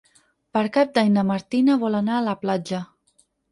Per Cap d'Any na Martina vol anar a la platja.